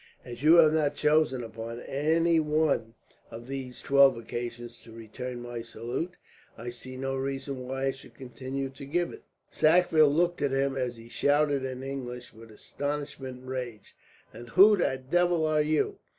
As you have not chosen, upon any one of those twelve occasions, to return my salute, I see no reason why I should continue to give it." Sackville looked at him as he shouted in English, with astonishment and rage: "And who the devil are you?"